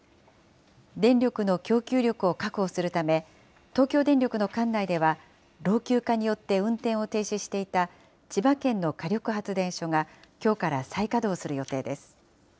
電力の供給力を確保するため、東京電力の管内では、老朽化によって運転を停止していた、千葉県の火力発電所がきょうから再稼働する予定です。